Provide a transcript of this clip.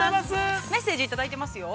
◆メッセージいただいてますよ。